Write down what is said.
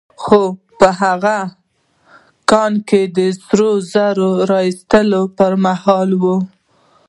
هغه په کان کې د سرو زرو د را ايستلو پر مهال وه.